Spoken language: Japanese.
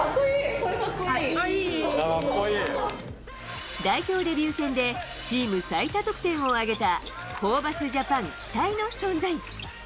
これ、かっこいい！代表デビュー戦でチーム最多得点を挙げたホーバスジャパン期待の存在。